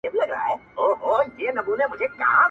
تا ته چي درځمه له اغیار سره مي نه لګي!.